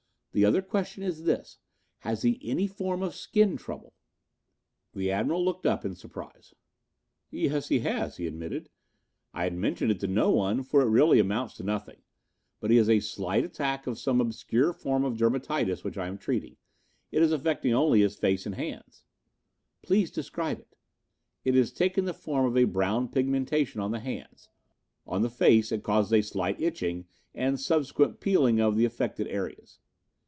The other question is this: has he any form of skin trouble?" The Admiral looked up in surprise. "Yes, he has," he admitted. "I had mentioned it to no one, for it really amounts to nothing, but he has a slight attack of some obscure form of dermatitis which I am treating. It is affecting only his face and hands." "Please describe it." "It has taken the form of a brown pigmentation on the hands. On the face it causes a slight itching and subsequent peeling of the affected areas."